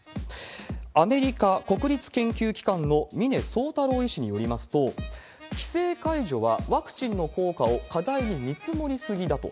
アメリカ国立研究機関の峰宗太郎医師によりますと、規制解除はワクチンの効果を過大に見積もり過ぎだと。